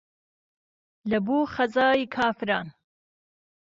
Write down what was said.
له بۆ خهزای کافران